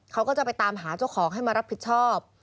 เขาก็จะไปตามหาเจ้าของให้มารับผิดชอบ